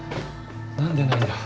何でないんだ。